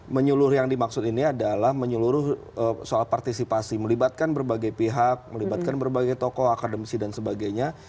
menyeluruh yang dimaksud ini adalah menyeluruh soal partisipasi melibatkan berbagai pihak melibatkan berbagai tokoh akademisi dan sebagainya